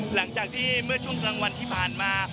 หลังจากที่เมื่อช่วงกลางวันที่ผ่านมา